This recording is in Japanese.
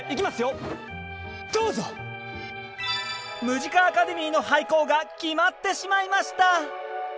ムジカ・アカデミーの廃校が決まってしまいました！